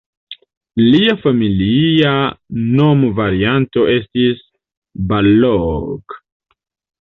Lia familia nomvarianto estis "Balogh".